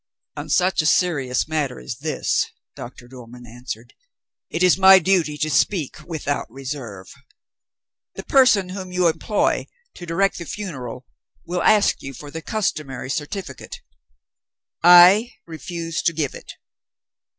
"On such a serious matter as this," Doctor Dormann answered, "it is my duty to speak without reserve. The person whom you employ to direct the funeral will ask you for the customary certificate. I refuse to give it."